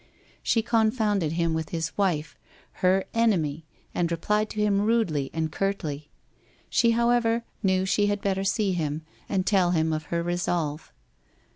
She confounded him with his wife, her enemy, and replied to him rudely and curtly. She, however, knew she had better see him, and tell him of her resolve.